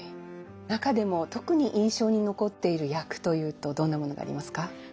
中でも特に印象に残っている役というとどんなものがありますか。